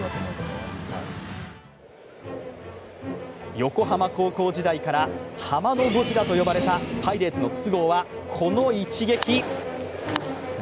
横浜高校時代からハマのゴジラと呼ばれたパイレーツの筒香は、この一撃。